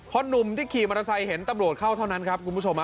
พอหนุ่มที่ขี่มอเตอร์ไซค์เห็นตำรวจเข้าเท่านั้นครับคุณผู้ชม